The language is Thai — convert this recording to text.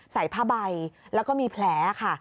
ใส่ผ้าใบแล้วก็มีแผลค่ะ